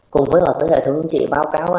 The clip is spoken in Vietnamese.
cùng phối hợp với hệ thống chính trị báo cáo